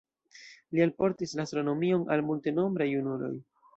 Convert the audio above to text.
Li alportis la astronomion al multenombraj junuloj.